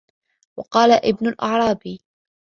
وَقَالَ ابْنُ الْأَعْرَابِيِّ